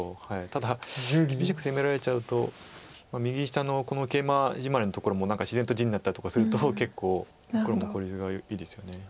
ただ厳しく攻められちゃうと右下のケイマジマリのところも自然と地になったとかすると結構黒も効率がいいですよね。